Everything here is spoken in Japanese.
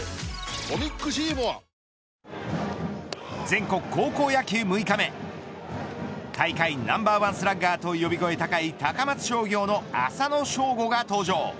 全国高校野球６日目大会ナンバーワンスラッガーと呼び声高い高松商業の浅野翔吾が登場。